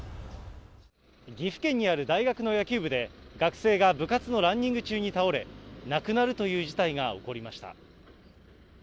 岐阜県にある大学の野球部で、学生が部活のランニング中に倒れ、亡くなるという事態が起こりました。